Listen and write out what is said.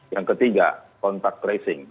yang ketiga contact tracing